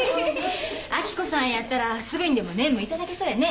明子さんやったらすぐにでもネーム頂けそうやね。